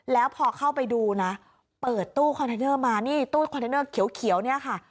แล้วพอเข้าไปดูนะเปิดตู้คอนเทนเนอร์มานี่ตู้คอนเทนเนอร์เขียวเนี่ยค่ะ